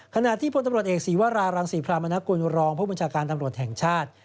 ขณะที่พลตำรวจเอกศีวรารังศรีพรามนกุลรองผู้บัญชาการตำรวจแห่งชาติ